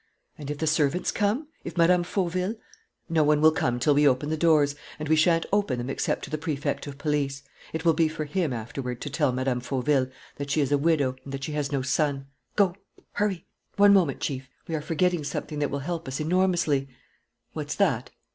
"And if the servants come? If Mme. Fauville ?" "No one will come till we open the doors; and we shan't open them except to the Prefect of Police. It will be for him, afterward, to tell Mme. Fauville that she is a widow and that she has no son. Go! Hurry!" "One moment, Chief; we are forgetting something that will help us enormously." "What's that?"